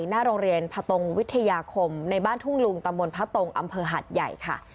หน้าโรงเรียนพะตงวิทยาคมในบ้านทุ่งลุงตำบลพระตรงอำเภอหัดใหญ่ค่ะ